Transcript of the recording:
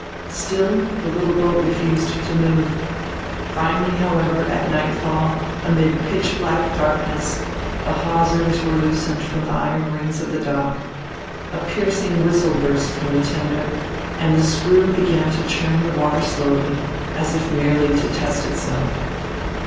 Still the little boat refused to move. Finally, however, at nightfall, amid pitch black darkness, the hawsers were loosened from the iron rings of the dock, a piercing whistle burst from the tender, and the screw began to churn the water slowly, as if merely to test itself.